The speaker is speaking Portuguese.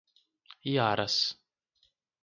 Iaras